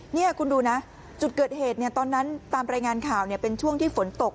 นี่คุณดูนะจุดเกิดเหตุตอนนั้นตามรายงานข่าวเป็นช่วงที่ฝนตก